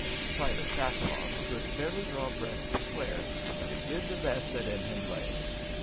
Private Shacklock could barely draw breath to swear, but he did the best that in him lay.